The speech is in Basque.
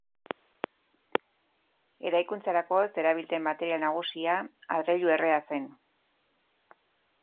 Eraikuntzarako zerabilten material nagusia adreilu errea zen.